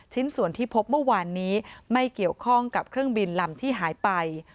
ชิ้นส่วนที่พบเมื่อวานนี้ไม่เกี่ยวข้องกับเครื่องบินลำที่หายไป